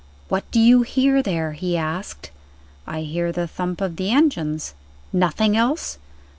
"What do you hear there?" he asked. "I hear the thump of the engines." "Nothing else?"